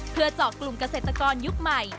เพื่อเจาะกลุ่มเกษตรกรยุคใหม่